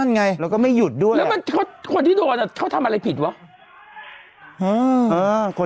เนี่ยแล้วดูดีตัวยัยด้วย